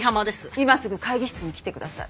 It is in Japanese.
今すぐ会議室に来て下さい。